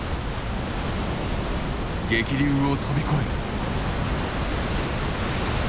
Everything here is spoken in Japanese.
激流を飛び越える。